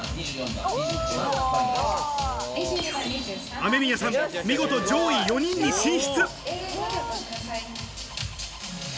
雨宮さん、見事上位４人に進出。